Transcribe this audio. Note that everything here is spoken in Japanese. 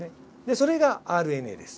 それがＲＮＡです。